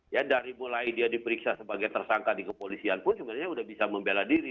ya dari mulai dia diperiksa sebagai tersangka di kepolisian pun sebenarnya sudah bisa membela diri